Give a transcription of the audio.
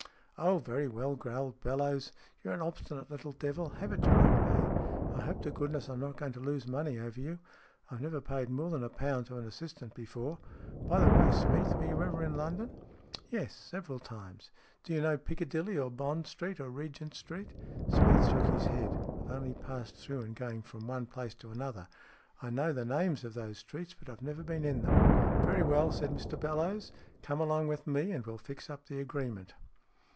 "Oh, very well," growled Bellowes. "You're an obstinate little devil. Have it your own way. I hope to goodness I'm not going to lose money over you. I've never paid more than a pound to an assistant before. By the way, Smeath, were you ever in London ?"" Yes ; several times." " Do you know Piccadilly, or Bond Street, or Regent Street ?" Smeath shook his head. " I have only passed through in going from one place to another. I know the names of those streets, but I've never been in them." SMEATH 13 " Very well," said Bellowes. " Come along with me, and we'll fix up the agreement."